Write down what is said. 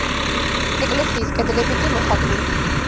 ეკლესიის კედლები კი მოხატული.